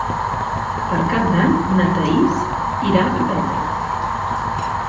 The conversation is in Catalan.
Per Cap d'Any na Thaís irà a Petra.